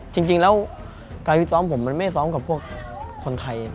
จริงแล้วการวิซ้อมผมมันไม่ซ้อมกับพวกคนไทย